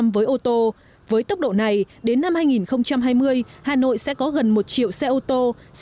một mươi hai chín với ô tô với tốc độ này đến năm hai nghìn hai mươi hà nội sẽ có gần một triệu xe ô tô